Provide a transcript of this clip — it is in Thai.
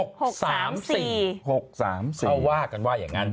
เขาว่ากันว่าอย่างนั้น